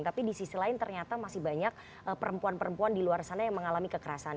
tapi di sisi lain ternyata masih banyak perempuan perempuan di luar sana yang mengalami kekerasan